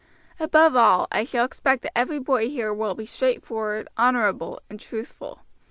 Above all, I shall expect that every boy here will be straightforward, honorable, and truthful.